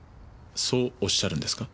そうおっしゃるんですか？